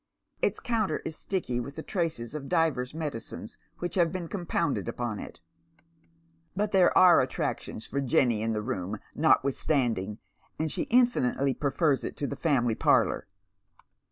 Its counter is sticky with the traces of divers medicines wliich have been compounded upon it. But there are attractions for Jenny in the room notwith standing, and she infinitely prefers it to the family parlour.